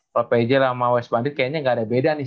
kalau pj sama west bandit kayaknya gak ada beda nih